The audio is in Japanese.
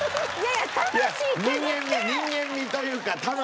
いや人間味というか魂。